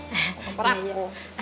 ya tuhan permisi surti ya